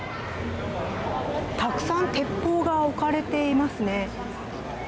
たくさん鉄砲が置かれていますね。